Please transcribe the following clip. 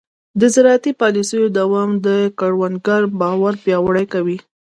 د زراعتي پالیسیو دوام د کروندګر باور پیاوړی کوي.